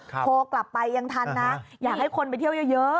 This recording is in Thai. โทรกลับไปยังทันนะอยากให้คนไปเที่ยวเยอะ